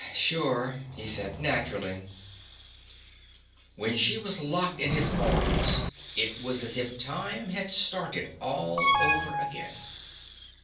"Sure," he said. "Naturally." When she was locked in his arms, it was as if time had started all over again.